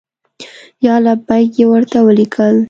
یا لبیک! یې ورته ولیکل.